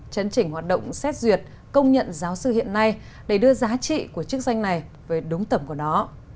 chấn chỉnh hoạt động xét duyệt công nhận giáo sư hiện nay để đưa giá trị của chức danh này về đúng tầm của nó